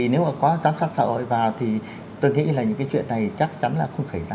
nếu mà có giám sát xã hội vào thì tôi nghĩ là những cái chuyện này chắc chắn là không xảy ra